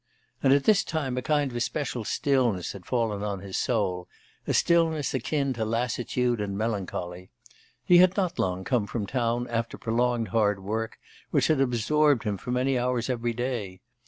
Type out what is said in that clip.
And at this time a kind of special stillness had fallen on his soul, a stillness akin to lassitude and melancholy. He had not long come from town after prolonged hard work, which had absorbed him for many hours every day.